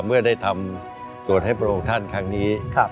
เมื่อได้ทำตรวจให้ประโยชน์ท่านครั้งนี้